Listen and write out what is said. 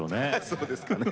そうですかね。